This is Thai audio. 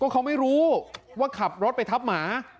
เขาไม่รู้ว่าขับรถไปทับหมา